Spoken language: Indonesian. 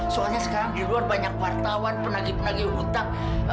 soalnya sekarang di luar banyak wartawan penagi penagi hontak